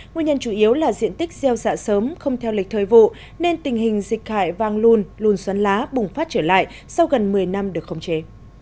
nguyên nhân chủ yếu là diện tích gieo dạ sớm không theo lịch thời vụ nên tình hình dịch hại vang lùn lùn xoắn lá bùng phát trở lại sau gần một mươi năm được khống chế